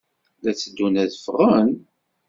La tteddun ad ffɣen?